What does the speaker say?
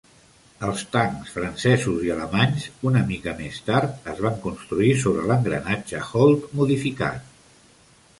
Els tancs francesos i alemanys, una mica més tard, es van construir sobre l'engranatge Holt modificat.